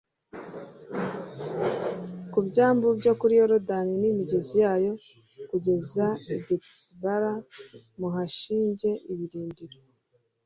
ku byambu byo kuri Yorodani n imigezi yayo kugeza i BetiBara muhashinge ibirindiro